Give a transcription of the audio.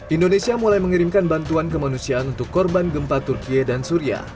indonesia mulai mengirimkan bantuan kemanusiaan untuk korban gempa turkiye dan suria